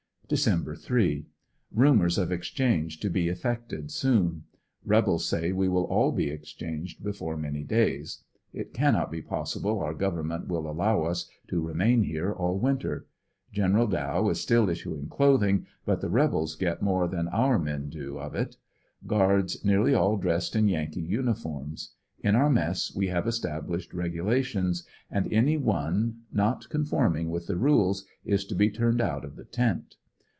Dec 3.— Rumors of exchange to be effected soon. Rebels say we will all be exchanged before many days. It cannot be possible our government will allow us to remain here all winter. Gen. Dow is still issuing clothing, but the rebels get more than our men do of it. Guards nearly all dressed in Yankee uniforms In our mess we have established regulations, and any one not conforming with the rules is to be turned out of the tent.